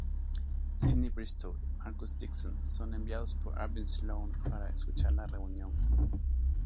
Sydney Bristow y Marcus Dixon son enviados por Arvin Sloane para escuchar la reunión.